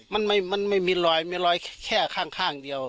มันไม่มีรอยมีรอยแค่ข้างเดียว